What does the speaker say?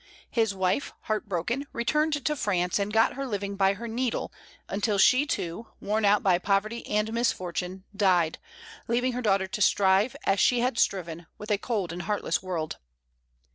His wife, heart broken, returned to France, and got her living by her needle, until she too, worn out by poverty and misfortune, died, leaving her daughter to strive, as she had striven, with a cold and heartless world.